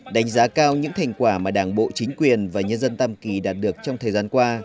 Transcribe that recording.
đánh giá cao những thành quả mà đảng bộ chính quyền và nhân dân tam kỳ đạt được trong thời gian qua